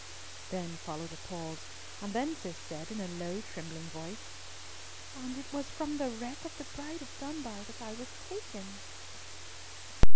Then followed a pause, and then Cis said in a low trembling voice, "And it was from the wreck of the Bride of Dunbar that I was taken?"